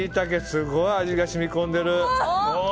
すごい味が染み込んでる。